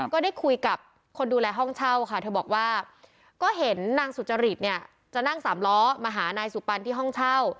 ก็ได้คุยกับคนดูแลห้องเช่าค่ะเธอบอกว่าก็เห็นนางสุจริตเนี่ยจะนั่งสามล้อมาหานายสุปันที่ห้องเช่า